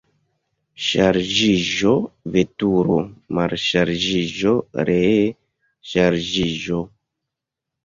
Ŝarĝiĝo, veturo, malŝargiĝo, ree ŝarĝiĝo.